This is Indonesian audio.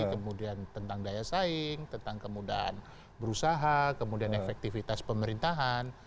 kemudian tentang daya saing tentang kemudahan berusaha kemudian efektivitas pemerintahan